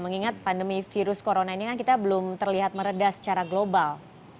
mengingat pandemi virus corona ini kan kita belum terlihat meredah secara global